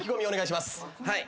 お願いします。